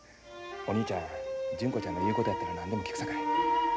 お兄ちゃん純子ちゃんの言うことやったら何でも聞くさかい。